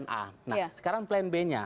nah sekarang plan b nya